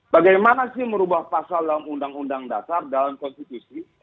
bagaimana sih merubah pasal dalam undang undang dasar dalam konstitusi